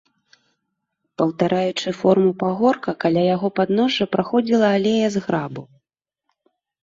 Паўтараючы форму пагорка, каля яго падножжа праходзіла алея з грабу.